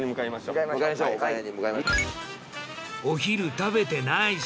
お昼食べてないし